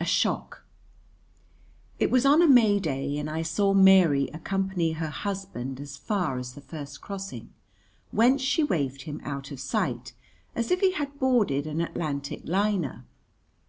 A Shock It was on a May day, and I saw Mary accompany her husband as far as the first crossing, whence she waved him out of sight as if he had boarded an Atlantic liner.